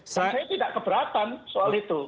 saya tidak keberatan soal itu